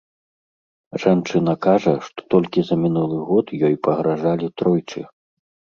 Жанчына кажа, што толькі за мінулы год ёй пагражалі тройчы.